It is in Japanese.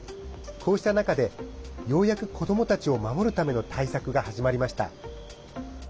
こうした中で、ようやく子どもたちを守るための対策が始まりました。